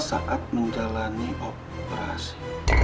saat menjalani operasi